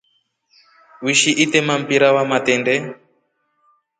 Wishi itema mpira wa matendee?